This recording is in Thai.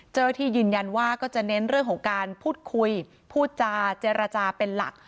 เจ้าหน้าที่ยืนยันว่าก็จะเน้นเรื่องของการพูดคุยพูดจาเจรจาเป็นหลัก